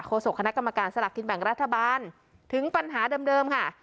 โศกคณะกรรมการสลักกินแบ่งรัฐบาลถึงปัญหาเดิมค่ะ